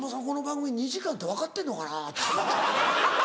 この番組２時間って分かってんのかな」。